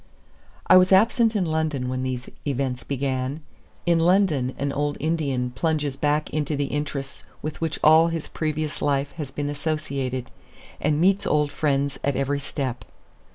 I was absent in London when these events began. In London an old Indian plunges back into the interests with which all his previous life has been associated, and meets old friends at every step.